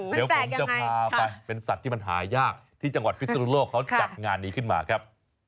เดี๋ยวผมจะพาไปเป็นสัตว์ที่มันหายากที่จังหวัดพิศนุโลกเขาจัดงานนี้ขึ้นมาครับ